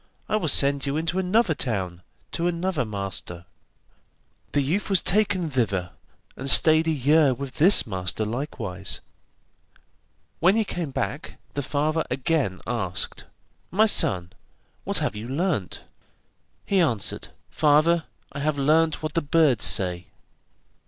I will send you into another town, to another master.' The youth was taken thither, and stayed a year with this master likewise. When he came back the father again asked: 'My son, what have you learnt?' He answered: 'Father, I have learnt what the birds say.